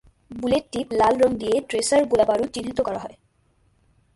Bullet tip লাল রং দিয়ে ট্রেসার গোলাবারুদ চিহ্নিত করা হয়।